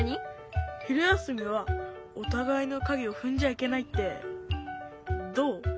昼休みはおたがいのかげをふんじゃいけないってどう？